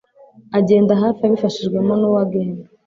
Agenda hafi abifashijwemo nuwagenda.